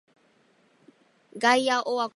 ガイアオワコン